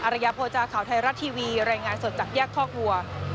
ระยะโภจาข่าวไทยรัฐทีวีรายงานสดจากแยกคอกวัว